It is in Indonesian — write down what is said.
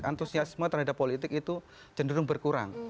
antusiasme terhadap politik itu cenderung berkurang